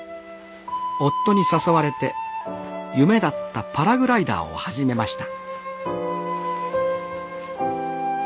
夫に誘われて夢だったパラグライダーを始めました